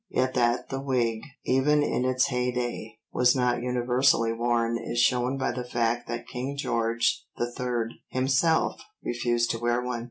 Yet that the wig, even in its heyday, was not universally worn is shown by the fact that King George III. himself refused to wear one.